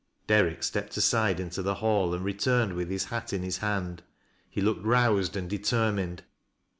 Derrick stepped aside into the hall and returned witli his hat in his hand. He looked roused and determined.